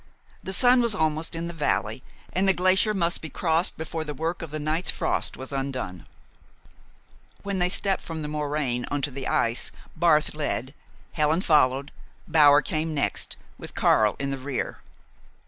The sun was almost in the valley, and the glacier must be crossed before the work of the night's frost was undone. When they stepped from the moraine on to the ice Barth led, Helen followed, Bower came next, with Karl in the rear.